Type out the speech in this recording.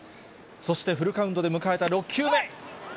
そしてフルカウントで迎えた６球目。